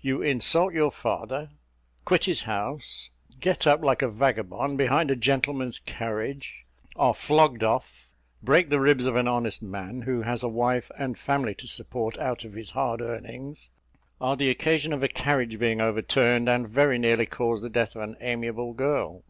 You insult your father; quit his house; get up, like a vagabond, behind a gentleman's carriage; are flogged off, break the ribs of an honest man, who has a wife and family to support out of his hard earnings are the occasion of a carriage being overturned, and very nearly cause the death of an amiable girl!